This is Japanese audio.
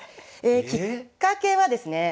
きっかけはですね